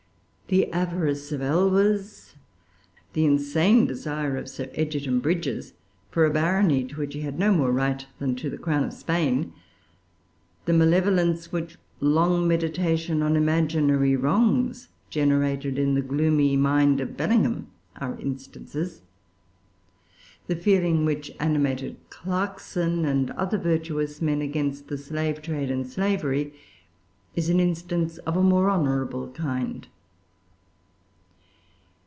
The avarice of Elwes, the insane desire of Sir Egerton Brydges for a barony to which he had no more right than to the crown of Spain, the malevolence which long meditation on imaginary wrongs generated in the gloomy mind[Pg 385] of Bellingham, are instances. The feeling which animated Clarkson and other virtuous men against the slave trade and slavery is an instance of a more honorable kind.